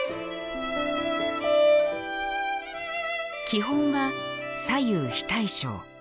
基本は左右非対称。